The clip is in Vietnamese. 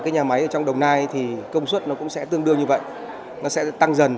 cái nhà máy ở trong đồng nai thì công suất nó cũng sẽ tương đương như vậy nó sẽ tăng dần